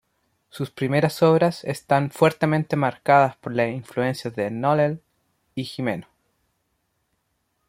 Sus primeras obras están fuertemente marcadas por las influencias de Nonell y Gimeno.